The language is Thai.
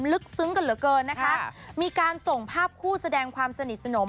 ลึกซึ้งกันเหลือเกินนะคะมีการส่งภาพคู่แสดงความสนิทสนม